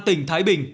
tỉnh thái bình